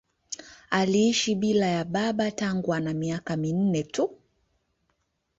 Aliishi bila ya baba tangu ana miaka minne tu.